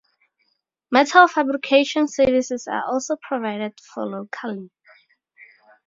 Metal fabrication services are also provided for locally.